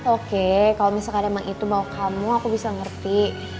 oke kalau misalkan emang itu mau kamu aku bisa ngerti